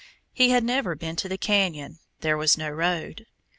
He had never been to the canyon; there was no road.